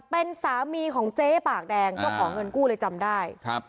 เป็นสามีของเจ๊ปากแดงเจ้าของเงินกู้เลยจำได้ครับ